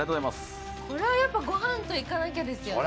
これはやっぱごはんといかなきゃですよね。